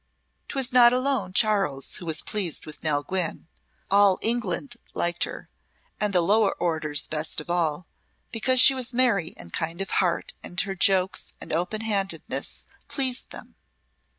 'Twas not alone Charles who was pleased with Nell Gwynne. All England liked her, and the lower orders best of all, because she was merry and kind of heart and her jokes and open handedness pleased them.